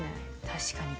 確かに。